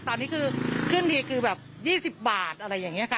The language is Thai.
ตอนนี้คือขึ้นทีคือแบบ๒๐บาทอะไรอย่างนี้ค่ะ